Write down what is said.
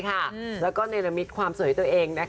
แล้วก็เนรมิตความสวยให้ตัวเอง